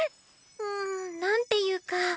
うんなんていうか。